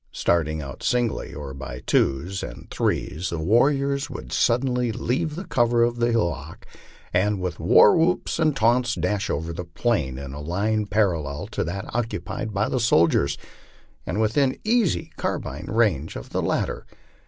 Starting out singly, or by twos and threes, tho warriors would suddenly leave the cover of the hillock, and with war whoopa and taunts dash over the plain in a line parallel to that occupied by the sol diers, and within easy carbine range of the latter.